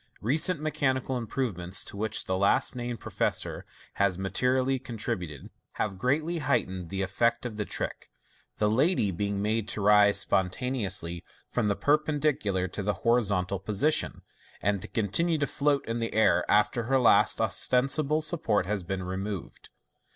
Recent mechanical improvements, to which the last named Professor has materially 496 MODERN MAGIC. tributed, have greatly heightened the effect of the trick — the lady being made to rise spontaneously from the perpendicular to the hori zontal position, and to continue to float in the air after her last osten sible support has been removed.